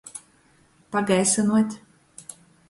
Pagaisynuot.